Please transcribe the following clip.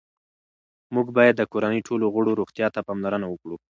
موږ باید د کورنۍ ټولو غړو روغتیا ته پاملرنه وکړو